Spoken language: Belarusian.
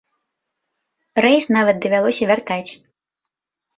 Рэйс нават давялося вяртаць.